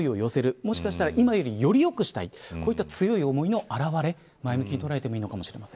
もしかしたら今より、より良くしたいこうした強い思いの表れ前向きに捉えてもいいのかもしれません。